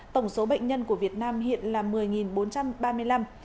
tổng số bệnh nhân của việt nam hiện là một mươi bốn trăm ba mươi năm